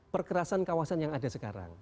perkerasan kawasan yang ada sekarang